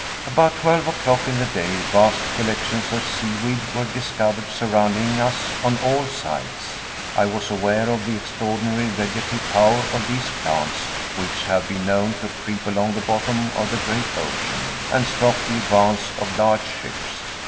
About twelve o'clock in the day, vast collections of seaweed were discovered surrounding us on all sides. I was aware of the extraordinary vegetative power of these plants, which have been known to creep along the bottom of the great ocean, and stop the advance of large ships.